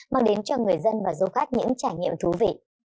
mang đến cho người dân và dù khác những trải nghiệm thú vị